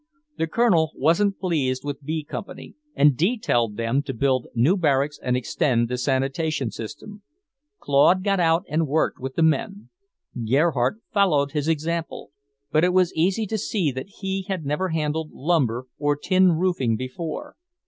The Colonel wasn't pleased with B Company and detailed them to build new barracks and extend the sanitation system. Claude got out and worked with the men. Gerhardt followed his example, but it was easy to see that he had never handled lumber or tin roofing before.